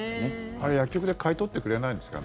あれ、薬局で買い取ってくれないんですかね。